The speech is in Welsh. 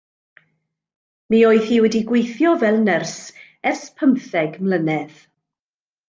Mi oedd hi wedi gweithio fel nyrs ers pymtheg mlynedd.